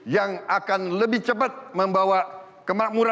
dan saya ingin mengucapkan terima kasih kepada pak joko widodo